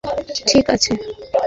সেখানে নিরাপদে থেকো, ঠিক আছে?